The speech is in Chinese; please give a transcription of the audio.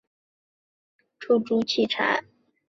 有公司专门组织泡泡足球活动和出租器材。